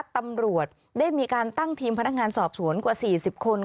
ตำรวจได้มีการตั้งทีมพนักงานสอบสวนกว่า๔๐คน